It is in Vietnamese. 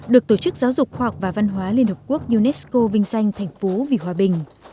được tổ chức giáo dục khoa học và văn hóa liên hợp quốc unesco vinh danh thành phố vì hòa bình